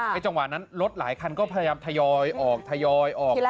จังหวะนั้นรถหลายคันก็พยายามทยอยออกทยอยออก